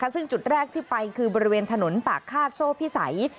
ซึ่งจุดแรกที่ไปคือบริเวณถนนปากฆาตโซ่พิสัย